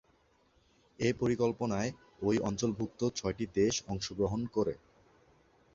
এ পরিকল্পনায় ওই অঞ্চলভুক্ত ছয়টি দেশ অংশগ্রহণ করে।